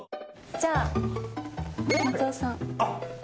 じゃあ松尾さん。